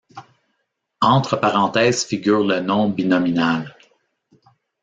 Entre parenthèses figure le nom binominal.